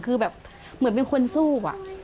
คือแบบเหมือนไม่ควรสู้